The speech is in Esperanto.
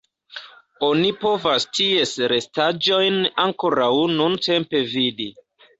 Oni povas ties restaĵojn ankoraŭ nuntempe vidi.